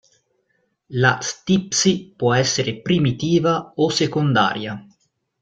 La stipsi può essere primitiva o secondaria.